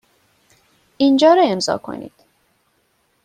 اینجا را امضا کنید.